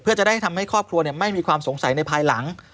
เพื่อจะได้ทำให้ครอบครัวไม่มีความสงสัยในภายหลัง